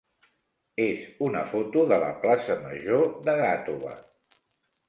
és una foto de la plaça major de Gàtova.